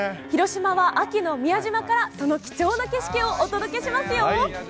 広島は秋の宮島から、この貴重な景色をお届けしますよ。